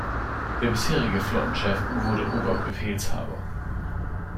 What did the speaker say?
Der bisherige Flottenchef wurde Oberbefehlshaber.